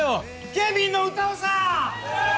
ケビンの歌をさ！